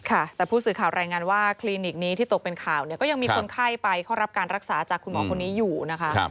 ค่ะแต่ผู้สื่อข่าวรายงานว่าคลินิกนี้ที่ตกเป็นข่าวเนี่ยก็ยังมีคนไข้ไปเข้ารับการรักษาจากคุณหมอคนนี้อยู่นะคะ